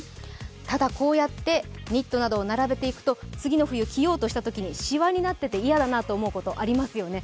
ただ、こうやってニットなどを並べていくと、次の冬、着ようとしたときに、しわになっていて嫌だなと思うことありますよね。